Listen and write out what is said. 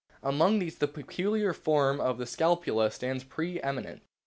Among these the peculiar form of the scapula stands pre eminent.